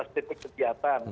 lima belas tipe kegiatan